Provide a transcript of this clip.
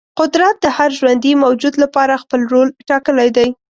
قدرت د هر ژوندې موجود لپاره خپل رول ټاکلی دی.